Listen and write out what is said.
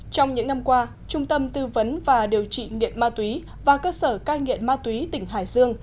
trong những năm qua trung tâm tư vấn và điều trị nghiện ma túy và cơ sở cai nghiện ma túy tỉnh hải dương